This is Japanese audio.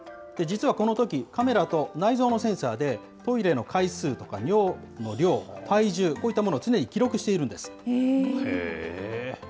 実はこのとき、カメラと内蔵のセンサーで、トイレの回数とか尿の量、体重、こういったものを常に記録しているんです。